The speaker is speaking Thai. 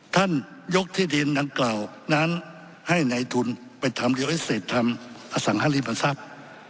ท่านยกที่ดินดังกล่าวนั้นให้ในทุนไปทำดีโอเอสเซตทำอสังหาริมทรัพย์